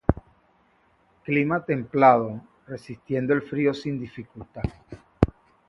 Clima templado, resistiendo el frío sin dificultad.